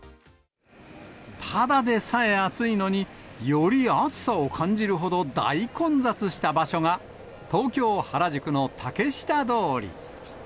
ただでさえ暑いのに、より暑さを感じるほど大混雑した場所が、東京・原宿の竹下通り。